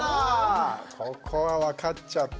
ここは分かっちゃった。